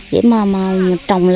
vậy mà trồng là trồng